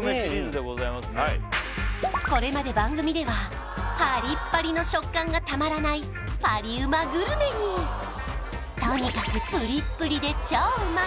これまで番組ではパリッパリの食感がたまらないパリうまグルメにとにかくプリップリで超うまい